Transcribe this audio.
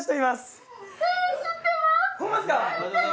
ホンマですか？